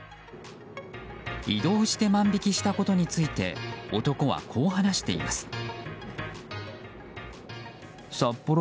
移動して万引きしたことについて男はこう話しています。